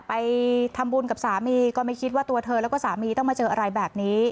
ไปทำบุญกับสามีก็ไม่คิดว่าตัวเธอแล้วก็สามีต้องมาเจออะไรแบบนี้